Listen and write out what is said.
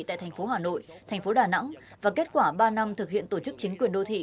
tại thành phố hà nội thành phố đà nẵng và kết quả ba năm thực hiện tổ chức chính quyền đô thị